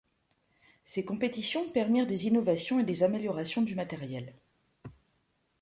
Ces compétitions permirent des innovations et des améliorations du matériel.